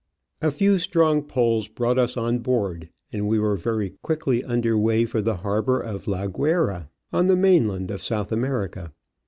A few strong pulls brought us on board, and we were very quickly under weigh for the harbour of La Guayra, on tlie mainland of South America.